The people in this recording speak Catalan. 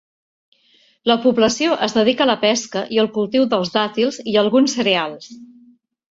La població es dedica a la pesca i al cultiu dels dàtils i alguns cereals.